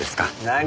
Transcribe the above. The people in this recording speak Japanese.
何？